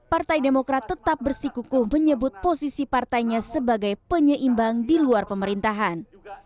partai demokrat tetap bersikukuh menyebut posisi partainya sebagai penyeimbang di luar pemerintahan